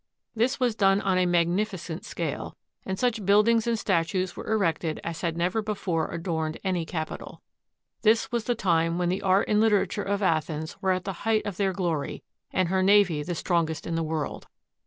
This was done on a magnificent scale, and such buildings and statues were erected as had never before adorned any capital. This was the time when the art and literature of Athens were at the height of their glory, and her navy the strong est in the world.